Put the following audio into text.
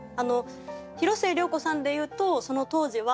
広末涼子さんで言うとその当時は。